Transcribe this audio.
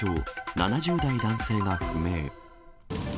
７０代男性が不明。